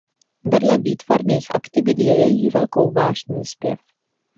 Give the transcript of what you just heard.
Vedle výtvarných aktivit je její velkou vášní zpěv.